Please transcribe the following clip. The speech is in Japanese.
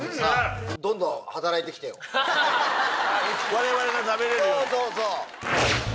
我々が食べれるように。